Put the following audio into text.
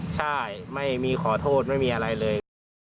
ใช่ไม่มีขอโทษไม่มีอะไรเลย